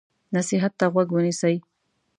نصیحت ته غوږ ونیسئ.